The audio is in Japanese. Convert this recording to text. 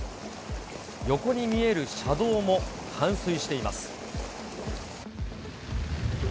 横に見える車道も冠水しています。